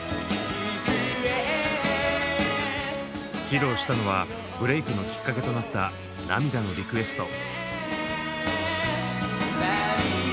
披露したのはブレークのきっかけとなった「涙のリクエスト」。